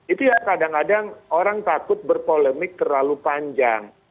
itu yang kadang kadang orang takut berpolemik terlalu panjang